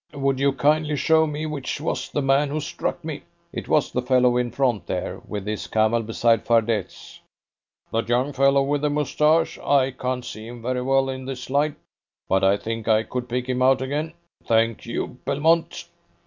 Would you kindly show me which was the man who struck me?" "It was the fellow in front there with his camel beside Fardet's." "The young fellow with the moustache I can't see him very well in this light, but I think I could pick him out again. Thank you, Belmont!"